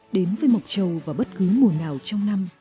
đến với mộc châu vào bất cứ mùa nào trong năm